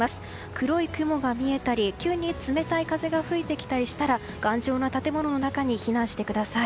黒い雲が見えたり急に冷たい風が吹いてきたりしたら頑丈な建物の中に避難してください。